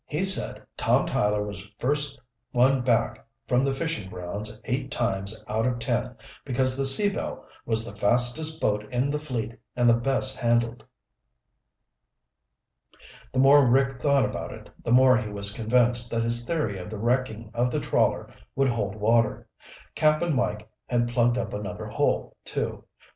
"He said Tom Tyler was first one back from the fishing grounds eight times out of ten because the Sea Belle was the fastest boat in the fleet and the best handled." The more Rick thought about it, the more he was convinced that his theory of the wrecking of the trawler would hold water. Cap'n Mike had plugged up another hole, too.